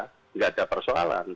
tidak ada persoalan